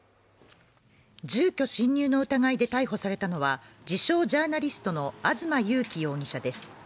住居侵入の疑いで逮捕されたのは自称ジャーナリストの東優樹容疑者です。